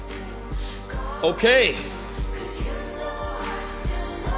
ＯＫ。